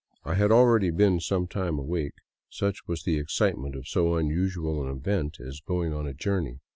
I had already been some time awake, such was the excitement of so unusual an event as going a journey.